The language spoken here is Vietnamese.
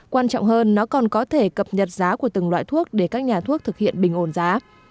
quan trọng hơn nó còn có thể cập nhật giá của từng loại thuốc để các nhà thuốc thực hiện bình ổn giá